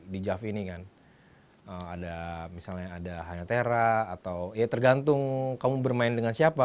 di jav ini kan ada misalnya ada hanya tera atau ya tergantung kamu bermain dengan siapa